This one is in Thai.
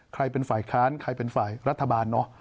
ใครเป็นฝ่ายค้านใครเป็นฝ่ายรัฐบาลเนอะ